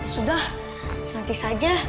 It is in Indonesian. sudah nanti saja